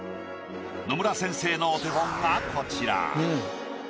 野村先生のお手本がこちら。